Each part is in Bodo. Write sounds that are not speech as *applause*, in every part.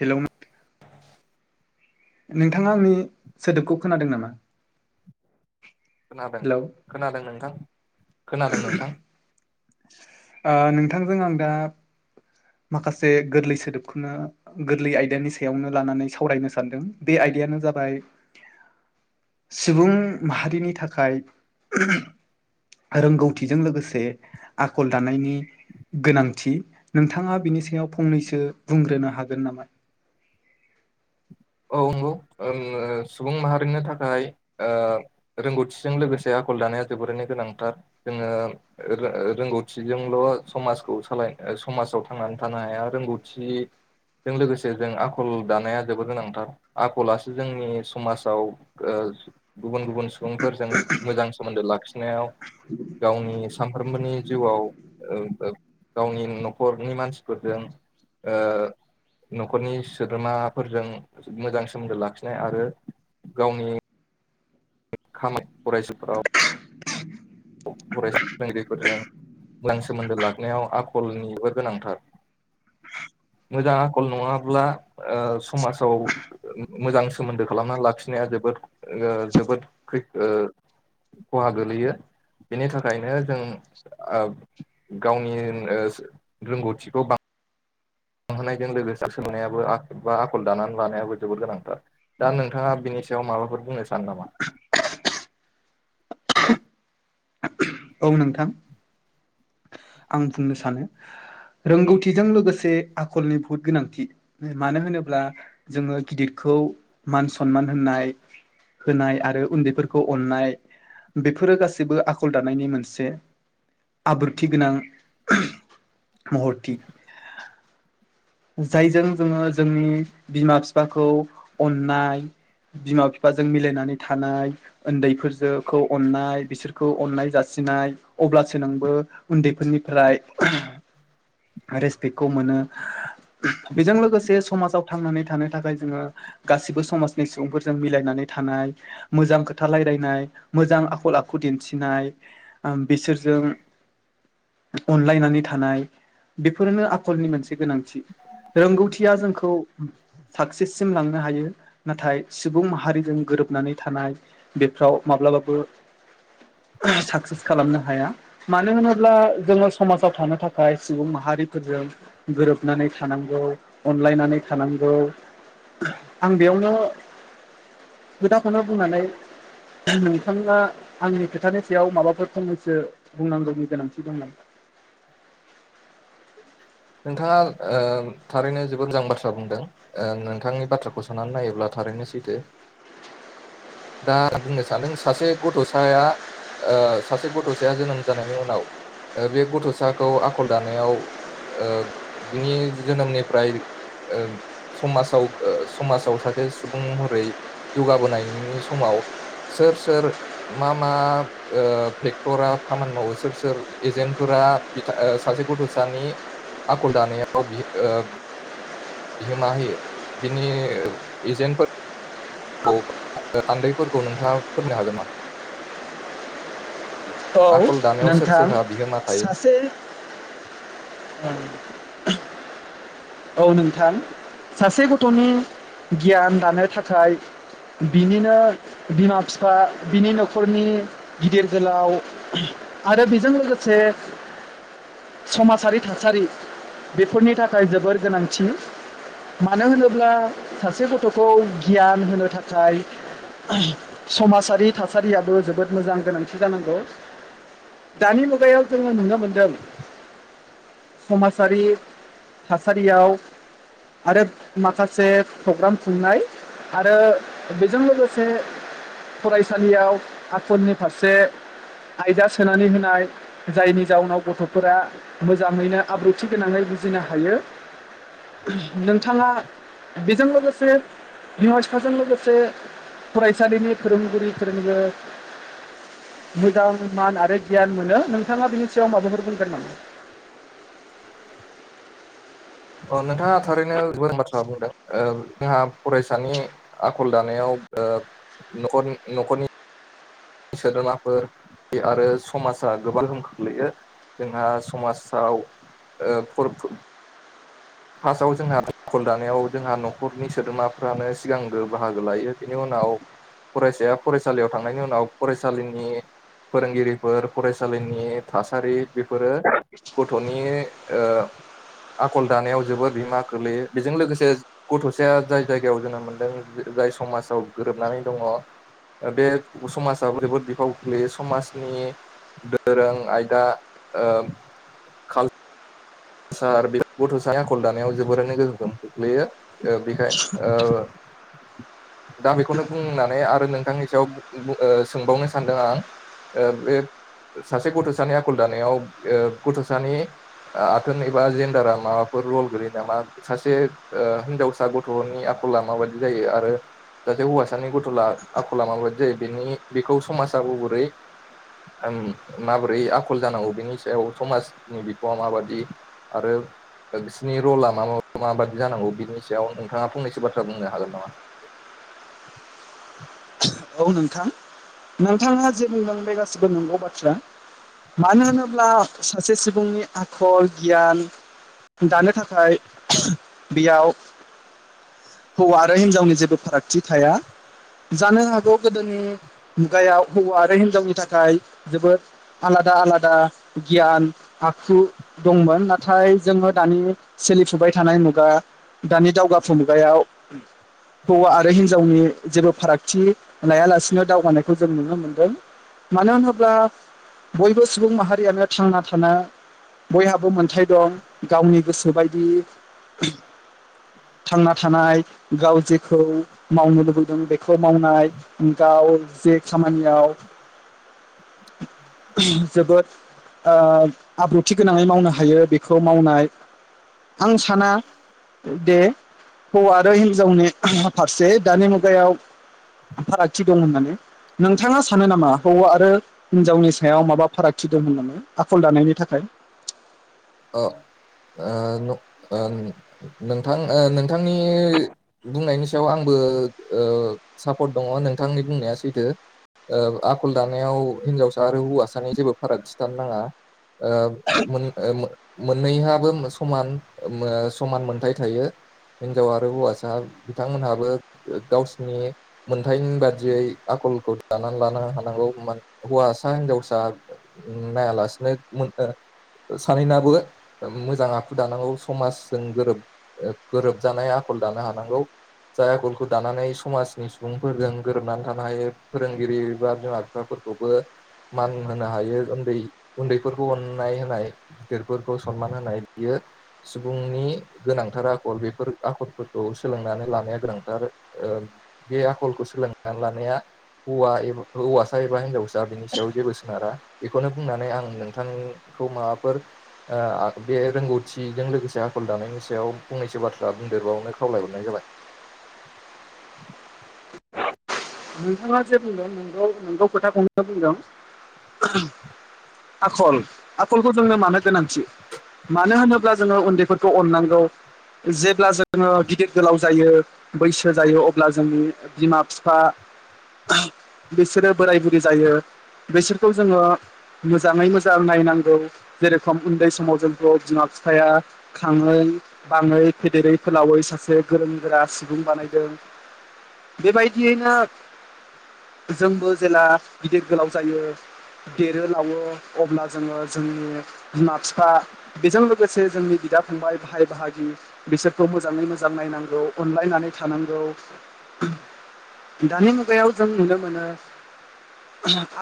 हेलौ *inaudible* नोंथाङा आंनि सोदोबखौ खोनादों नामा? खोनादों हेलौ ओ खोनादों नोंथां खोनादों नोंथां ओ नोंथांजों आं दा माखासे गोरलै सोदोबखौनो गोरलै आयदानि सायावनो लानानै सावरायनो सानदों बे आयदाया नो जाबाय सुबुं माहारिनि थाखाय रोंगौथिजों लोगोसे आखल दानायनि गोनांथि, नों थाङा बिनि सियाव फंनैसो बुंग्रोनो हागोन नामा? औ नंगौ ओ सुबुं माहारिनि थाखाय रोंगौथिजों लोगोसे आखल दाना या जोबोरैनो गोनांथार, जोङो रोंगौथिजोंल' समाजखौ साला *inaudible* समाजाव थांनानै थानो हाया। रोंगौथिजों लोगोसे जों आखल दानाया जोबोद गोनां आख आखलासो जोंनि समाजाव ओ गुबुन गु बुन सुबुंफोरजों मोजां सोमोन्दो लाखिनायाव गावनि सानफ्रोमबोनि जिउआव ओ ओ गावनि न'खरनि मानसिफोरजों ओ न'खरनि सोद्रोमाफोरजों मोजां सोमोन्दो लाखिनाय आरो गावनि *unintelligible* खामानि फरायसाफ्राव फरायसा फोरोंगिरिफोरजों मोजां सोमोन्दो लाखिनायाव आखलनिबो गोनांथार *inaudible* मोजां आखल नङाब्ला ओ समाजाव मोजां सोमोन्दो खालामनानै लाखिनाया जो बोद ओ जोबोद खै ओ खहा गोलैयो बेनि थाखायनो जों आ गावनि रोंगौथिखौ बां होनायजों लोगोसे सोलोंनायाबो बा आखल दानानै लानायाबो जोबोद गोनांथार दा नोंथाङा बिनि सायाव माबाफोर बुंनो सानो नामा? *inaudible* औ नोंथां आं बुंनो सानो। रोंगौथिजों लोगोसे आखलनि बुहुत गोनांथि। मानो होनोब्ला जोङो गिदिरखौ खौ मान सनमान होननाय होनाय आरो उन्दैफोरखौ अननाय बेफोरो गासिबो आखल दानायनि मोनसे आब्रुथि गोनां महरथि जायजों जोङो जोंनि बिमा-बिफाखौ अननाय बिमा-बिफाजों मिलायनानै थानाय, उन्दैफोरजोंखौ अननाय बिसोरखौ अननाय जासि नाय अब्लासो नोंबो उन्दैफोरनिफ्राय रेसपेक्टखौ मोनो बेजों लोगोसे समाजाव थांनानै थानो थाखाय जोङो गासिबो समाजनि सुबुंफोरजों मिलायनानै थानाय मोजां खोथा रायलायनाय मोजां आखल आखु दिन्थिनाय ओं बिसोरजों अनलायनानै थानाय बेफोरनो आखलनि मोनसे गोनांथि रोंगौथिया जोंखौ सक्सेससिम लांनो हायो नाथाय सुबुं माहारिजों गोबनानै थानाय बेफोराव माब्लाबाबो ओ सक्सेस खालामनो हाया मानो होनोब्ला जोङो समाजाव थानो थाखाय सुबुं माहारि माहारिफोरजों गोरोबनानै थानांगौ अनलायनानै थानांगौ आं बेयावनो खोथाखोनो बुंनानै *unintelligible* नोंथाङा आंनि खोथानि सायाव माबाफोर फंनैसो बुंनांगौनि गोनांथि दं नामा? *inaudible* नोंथाङा ओ थारैनो जोबोद मोजां बाथ्रा बुंदों ओ नोंथांनि बाथ्राखौ साननानै नायोब्ला था रैनो सैथो *inaudible* दा आं बुंनो सानदों सासे गथ'साया ओ सासे गथ'साया जोनोम जानायनि उनाव ओ बे गथ'साखौ आखल दानायाव ओ बिनि जोनोमनिफ्राय ओ समाजाव ओ समाजाव सासे सुबुं महरै जौगाबोनायनि समाव सोर सोर मा मा ओ फेक्टरा खामानि मावो सोर सोर एजेन्टफोरा आ बिथा ओ सासे गथ'सानि आखल दानायाव बियो ओ बिहोमा होयो बिनि एजेन्टफोर खौ थान्दैफोरखौ नोंथाङा फोरमायनो हागोन ना *inaudible* औ नोंथां सासे ओं औ नोंथां सासे गथ'नि गियान लानो थाखाय बिनिनो बिमा बिफा बिनि न'खरनि गिदिर गोलाव आरो बेजों लोगोसे समाजारि थासारि बेफोरनि थाखाय जोबोर गोनांथि मानो होनोब्ला सासे गथ'खौ गियान होनो थाखाय समाजारि थासारियाबो जोबोद मोजां गोनांथि जानांगौ। दानि मुगायाव जोङो नुनो मोनदों समाजारि थासारियाव आरो माखासे प्रग्राम खुंनाय आरो बेजों लोगोसे फरायसालियाव आसननि फारसे आयदा सोनानै होनाय जायनि जाउनाव गथ'फोरा मोजाङैनो आब्रुथि गोनाङै बुजिनो हायो *unintelligible* नोंथाङा बेजों लोगोसे बिमा बिफाजों लोगोसे फरायसालिनि फोरोंगिरिफोरनिबो मोजां मान आरो गियान मोनो नोंथाङा बिनि सायाव माबाफोर बुंगोन नामा? *inaudible* अ नोंथाङा थारैनो *unintelligible* बाथ्रा बुंदों जोंहा फरायसानि आखल दानायाव ओ नखरनि नखरनि सोद्रोमाफोर बे आरो समाजा गोबां *unintelligible* गोहोम खोख्लैयो। जोंहा समाजाव ओ *unintelligible* फार्स्टआव जोंहा आखल दानायाव जोंहा न'खरनि सोदोमाफ्रानो सिगांग्रो बाहागो लायो बेनि उन नाव फरायसाया फरायसालियाव थांनायनि उनाव फरायसालिनि फोरोंगिरिफोर फरायसालिनि थासारि बेफोरो गथ'नि ओ आखल दानायाव जोबोर बिहोमा गोलैयो, बेजों लोगोसे गथ'साया जाय जायगायाव जोनोम मोनदों जाय समाज आव गोरोबनानै दङ, बे समाजाबो जोबोद बिफाव गोग्लोयो। समाजनि दोरों, आयदा ओ आसार, बे गथ'साया आखल दानायाव जोबोरैनो गोहोनोम खोख्लैयो, बेखाय ओ *inaudible* दा बेखौनो बुंनानै आरो नोंथांनि सायाव बु ओ सोंबावनो सानदों आं ओ बे सासे गथ'सानि आख'ल दानायाव ओ गथ'सानि ओ आथोन एबा जेन्दारा माबाफोर र'ल गोग्लैयो नामा? सासे हिनजावसा गथ'नि आख'ला माबाय दि जायो? आरो सासे हौवासानि गथ'ला आखला माबायदि जायो बेनि बेखौ समाजा बोरै ओ माबोरै आखल जानांगौ बेनि सायाव समाजनि बिफावा माबादि आरो बिसोरनि र'ला मा माबादि जानांगौ बिनि सायाव नोंथाङा फंनैसो बाथ्रा बुंनो हागोन नामा? *inaudible* औ नोंथां नोंथाङा जेबुंदों बे गासिबो नंगौ बाथ्रा मानो होनोब्ला सासे सुबुंनि आखल, गियान दानो थाखाय बेयाव हौवा आरो हिनजावनि जेबो फारागथि थाया जानो हागौ गोदोनि मुगायाव हौवा आरो हिनजावनि थाखाय जोबोद आलादा आलादा गियान आखु दंमोन नाथाय जोङो दानि सोलिफुबाय थानाय मुगा दानि दावगाफु मुगायाव हौवा आरो हिनजावनि जेबो - फारागथि लायालासिनो दावगानायखौ जों नुनो मोनदों मानो होनोब्ला बयबो सुबुं माहारियानो थांना थानो बयहाबो मोनथाय दं गावनि गोसो बायदि थांना थानाय गावजेखौ मावनो लुबैदों बे- खौ मावनाय, गाव जे खामानियाव जोबोद ओ आब्रुथि गोनाङै मावनो हायो बेखौ मावनाय, आं साना दे हौवा आरो हिन्जावनि फारसे दानि मुगायाव फारागथि दं होननानै नोंथाङा सानो नामा हौवा आरो हिनजावनि सायाव माबा फारागथि दं होनना आखल दानायनि थाखाय अ ओ नोंथां ओ नोंथांनि बुंनायनि सायाव आंबो ओ-ओ सापर्ट दङ नोंथांनि बुंनाया सैथो ओ आखल दानायाव हिन्जावसा आरो हौवासानि जेबो फारागथि थानो नाङा ओ मोन मोननैहाबो समान समान मोनथाय थायो हिनजाव आरो हौवासा बिथांमोनहाबो गावसिनि मोनथाइनि बादियै आखलखौ दानानै लानो हानांगौ, हौवासा हिनजावसा नायालासिनो मोन सानैनाबो मोजां आखु दानांगौ समाजजों गोरोब गोरोबजानाय आखल दानो हानांगौ। जाय आगलखौ दानानै समाजनि सुबुंफोरजों गोरोबनानै थानो हायो फोरोंगिरि एबा बिमा बिफाफोर- फोरखौबो मान होनो हायो उन्दै उन्दैफोरखौ अननाय होनाय गिदिरफोरखौ सनमान होनाय बियो सुबुंनि गोनांथार आखल बेफोर आखलफोरखौ सो- सोलोंनानै लानाया गोनांथार, ओ बे आखलखौ सोलोंनानै लानाया हौवा एबा हौवासा एबा हिनजावसा बिनि सायाव जेबो सोनारा बेखौनो बुंनानै आं नोंथां- खौ माबाफोर ओ बे रोंगौथिजों लोगोसे आखल दानायनि सायाव फंनैसो बाथ्रा बुंदेरबावनो खावलायहरनाय जा- बाय *inaudible* नोंथाङा जे बुंदों नोंगौ नोंगौ खोथाखौनो बुंदों आखल आखलखौ जोंनो मानो गोनांथि मानो होनोब्ला जोङो उन्दैफोरखौ अननांगौ जेब्ला जोङो गिदिर गोलाव जायो बैसो जायो अब्ला जोंनि बिमा बिफा बिसोरो बोराय बुरि जायो बिसोरखौ जोङो मोजाङै मोजां नायनांगौ जेरेखम उन्दै समाव जोंख' बिमा बिफाया खाङो बाङै फेदेरै फोलावै सासे गोरों गोरा सुबुं बानायदों बेबायदियैनो जोंबो जेला गिदिर गोलाव जायो देरो लावो अब्ला जोङो जोंनि बिमा फिफा बेजों लोगोसे जोंनि बिदा फंबाय बाहाय बाहागि बिसोरखौ मोजाङै मोजां नायनांगौ अनलायनानै थानांगौ। दानि मुगायाव जों नुनो मोनो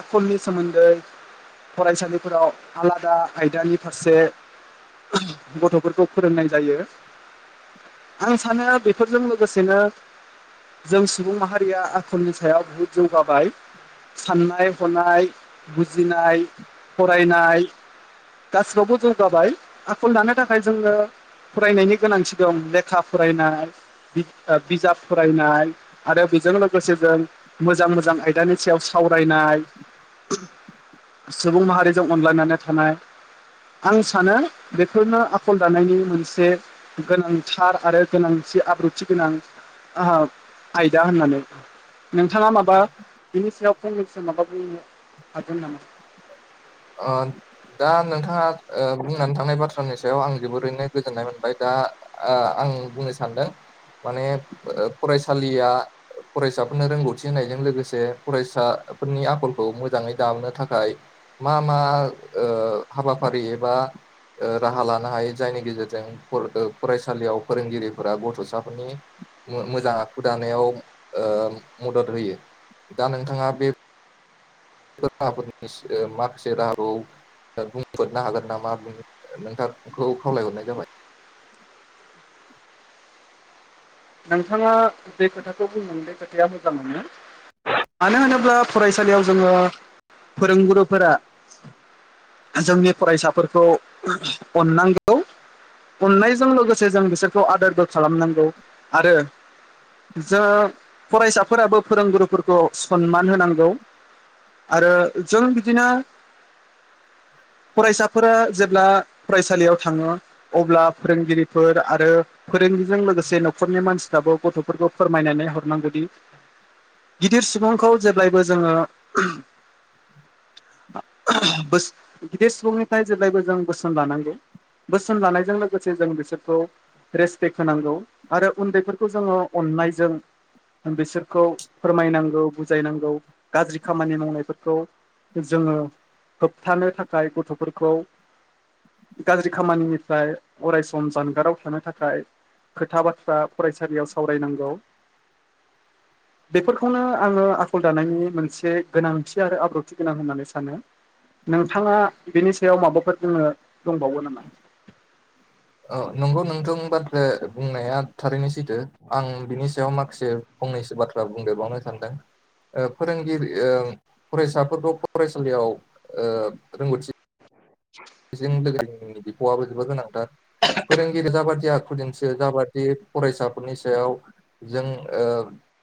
आखलनि सोमोन्दै फरायसालिफोराव आलादा आयदानि फारसे गथ'फोरखौ फोरोंनाय जायो। आं सानो बेफोरजों लोगोसेनो जों सुबुं माहा रिया आखलनि सायाव बुहुत जौगाबाय। साननाय हनाय, बुजिनाय, फरायनाय गासिबावबो जौगाबाय आखल दानो थाखाय जोङो फरायनायनि गोनांथि दं लेखा फरायनाय बि ओ बिजाब फरायनाय आरो बेजों लोगोसे जों मोजां मोजां आयदानि सायाव सावरायनाय सुबुं माहारिजों अनलायनानै थानाय। आं सानो बेफोरनो आखल दानायनि मोनसे गोनांथार आरो गोनां थि आब्रुथि गोनां आह आयदा होननानै। नोंथाङा माबा बिनि सायाव फंनैसो माबा बुंनो हागोन नामा? आ दा नोंथाङा ओ बुंनानै थांनाय बाथ्रानि सायाव आं जोबोरैनो गोजोननाय मोनबाय दा ओ आं आं बुंनो सानदों माने ओ फरायसालिया फरायसाफोरनो रोंगौथि होनायजों लोगोसे फरायसा फोरनि आखलखौ मोजाङै दामनो थाखाय मा मा ओ हाबाफारि एबा ओ राहा लानो हायो जायनि गेजेरजों फर ओ फरायसालियाव फोरोंगिरिफोरा गथ'साफोरनि मो-मोजां आखु दानायाव ओ मदद होयो। दा नोंथाङा बेफोर राहाफोरनि ओ माखासे राहाखौ बुंफोदनो हागोन नामा नोंथांखौ खावलायहरनाय जाबाय। नोंथाङा जे खोथाखौ बुंदों बे खोथाया मोजाङानो। मानो होनोब्ला फरायसालियाव जोङो फोरोंगुरुफोरा जोंनि फरायसाफोरखौ अननांगौ। अननायजों लोगोसे जों बिसोरखौ आदोरबो खालामनांगौ आरो जो फरायसाफोराबो फोरोंगुरुफोरखौ सनमान होनांगौ। आरो जों बिदिनो फरायसाफोरा जेब्ला फरायसालियाव थाङो अब्ला फोरोंगिरिफोर आरो फो रोंगिरिजों लोगोसे न'खरनि मानसिफ्राबो गथ'फोरखौ फोरमायनानै हरनांगौदि गिदिर सुबुंखौ जेब्लायबो जोङो बोस गिदिर सुबुंनिफ्राय जेब्लायबो जों बोसोन लानांगौ बोसोन लानायजों लोगोसे जों बिसोरखौ रेसपेक्ट होनांगौ। आरो उन्दैफोरखौ जोङो अननायजों बिसोरखौ फोरमायनांगौ बुजायनांगौ गाज्रि खामानि मावनायफोरखौ जोङो होबथानो थाखाय गथ'फोरखौ गाज्रि खामानिनिफ्राय अराय सम जानगाराव थानो थाखाय खोथा बाथ्रा फरायसालियाव सावरायनांगौ। बेफोरखौनो आङो आखल दानायनि मोनसे गोनांथि आरो आब्रुथि गोनां होननानै सानो। नोंथाङा बेनि सायाव माबाफोर बुंनो दंबावो नामा? अ नंगौ नोंथां बाथ्रा बुंनाया थारैनो सैथो। आं बिनि सायाव माखासे फंनैसो बाथ्रा बुंदेरबावनो सानदों। ओ फोरोंगिरि ओं फरायसाफोरखौ फरायसालियाव ओ रोंगौथि बेजों लोगोसे जोंनि बिफावआबो जोबोर गोनांथार। फोरोंगिरिया जाबादिया आखु दिनथियो जाबादि फरायसाफोरनि सायाव जों ओ